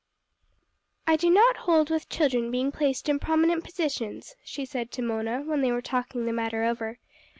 "I do not hold with children being placed in prominent positions," she said to Mona when they were talking the matter over.